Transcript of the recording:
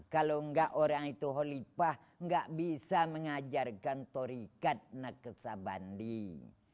kalau enggak orang itu holipah enggak bisa mengajarkan torikat naksimandiah